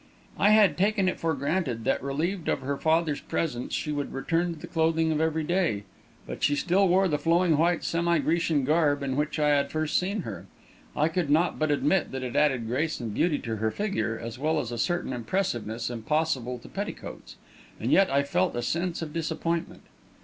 I had taken it for granted that, relieved of her father's presence, she would return to the clothing of every day; but she still wore the flowing white semi Grecian garb in which I had first seen her. I could not but admit that it added grace and beauty to her figure, as well as a certain impressiveness impossible to petticoats; and yet I felt a sense of disappointment.